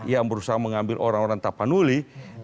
yang berusaha mengambil orang orang tapanuli